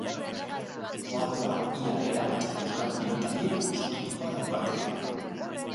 Koadroa ia erabat euskal pilotariek osaturikoa daukate.